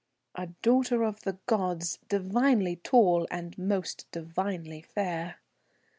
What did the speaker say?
"A daughter of the gods, divinely tall and most divinely fair."